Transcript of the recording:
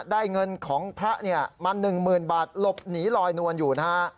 ได้เงินของพระมา๑๐๐๐บาทหลบหนีลอยนวลอยู่นะฮะ